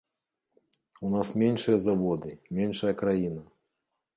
У нас меншыя заводы, меншая краіна.